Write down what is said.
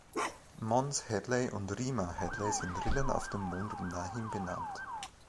Mons Hadley und Rima Hadley sind Rillen auf dem Mond und nach ihm benannt.